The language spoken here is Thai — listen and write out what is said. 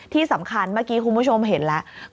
ที่สำคัญเมื่อกี้คุณผู้ชมเห็นแล้ว